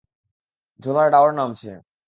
ঝোলার ডাওর নামছে।